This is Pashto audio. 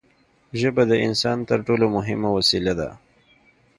ژبه د انسان تر ټولو مهمه وسیله ده.